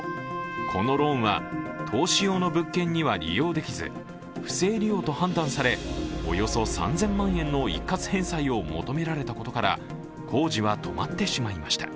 このローンは投資用の物件には利用できず不正利用と判断されおよそ３０００万円の一括返済を求められたことから工事は止まってしまいました。